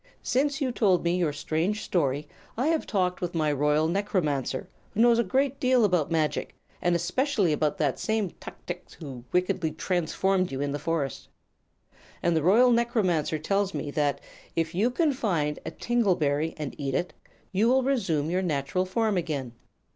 "Since you told me your strange story I have talked with my Royal Necromancer, who knows a good deal about magic, and especially about that same tuxix who wickedly transformed you in the forest. And the Royal Necromancer tells me that if you can find a tingle berry, and eat it, you will resume your natural form again.